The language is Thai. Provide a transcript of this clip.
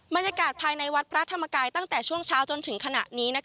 บรรยากาศภายในวัดพระธรรมกายตั้งแต่ช่วงเช้าจนถึงขณะนี้